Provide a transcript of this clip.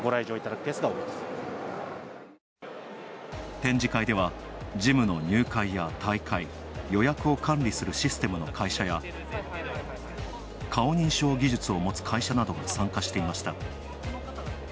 展示会では、ジムの入会や退会、予約を管理するシステムの会社や顔認証技術を持つ会社なども参加していました。